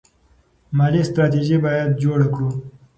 مالي ستراتیژي باید جوړه کړو.